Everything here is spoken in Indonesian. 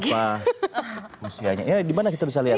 berapa usianya ini dimana kita bisa lihat